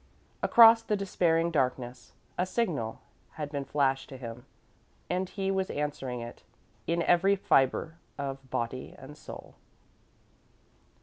Across the despairing darkness, a signal had been flashed to him, and he was answering it, in every fibre of body and soul.